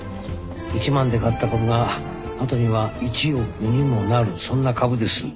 １万で買った株が後には１億にもなるそんな株です。